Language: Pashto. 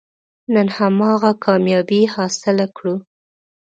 نن هماغه کامیابي حاصله کړو.